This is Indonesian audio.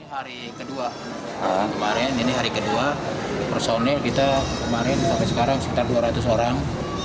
hari kedua kemarin ini hari kedua personil kita kemarin sampai sekarang sekitar dua ratus orang